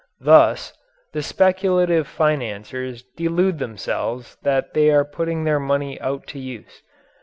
Thus, the speculative financiers delude themselves that they are putting their money out to use.